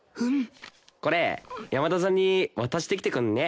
これ山田さんに渡してきてくんね？